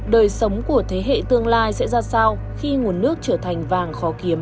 đời sống của thế hệ tương lai sẽ ra sao khi nguồn nước trở thành vàng khó kiếm